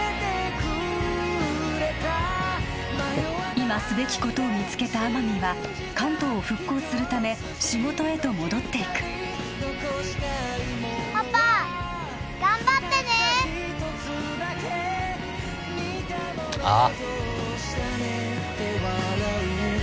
今すべきことを見つけた天海は関東を復興するため仕事へと戻っていくパパ頑張ってねーああ